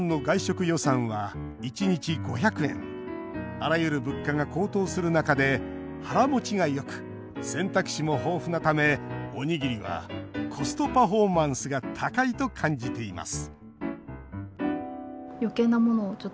あらゆる物価が高騰する中で腹もちがよく選択肢も豊富なためおにぎりはコストパフォーマンスが高いと感じています